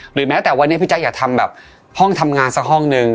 แม้แต่วันนี้พี่แจ๊อย่าทำแบบห้องทำงานสักห้องนึง